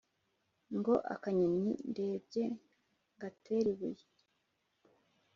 Ngo akanyoni ndebye ngatere ibuye